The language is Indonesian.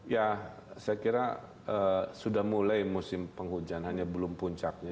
ya saya kira sudah mulai musim penghujan hanya belum puncaknya